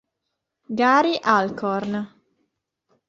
Gary Alcorn